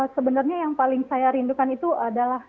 sebenarnya yang paling saya rindukan itu adalah